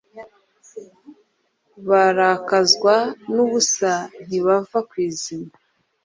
barakazwa n’ubusa, ntibava kw'izima